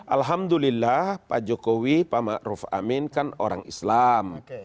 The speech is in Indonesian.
alhamdulillah pak jokowi pak ma'ruf amin kan orang islam